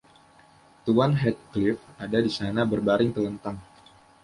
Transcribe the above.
Tuan Heathcliff ada di sana — berbaring telentang.